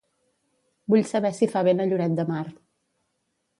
Vull saber si fa vent a Lloret de Mar.